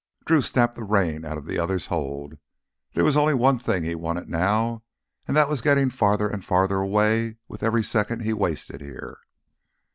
Drew snapped the rein out from the other's hold. There was only one thing he wanted now, and that was getting farther and farther away with every second he wasted here.